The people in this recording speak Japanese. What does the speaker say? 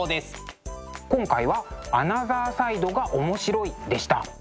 今回は「アナザーサイドがおもしろい！」でした。